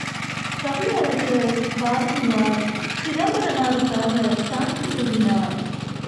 கவியரசர் பாரதியார், சிதம்பரனாருக்காக சாட்சி கூறினார்.